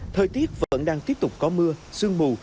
thời tiết vẫn đang tiếp tục có mưa sương mù